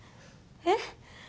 えっ？